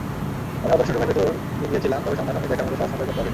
আমি অপারেশন রুমের ভেতরে গিয়েছিলাম, তবে সামনাসামনি দেখার মতো সাহস সঞ্চয় করতে পারিনি।